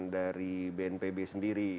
dari bnpb sendiri